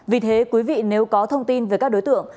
vì thế quý vị nếu có thông tin về các đối tượng